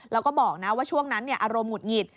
แล้วก็บอกนะว่าช่วงนั้นอารมณ์หุดหงิด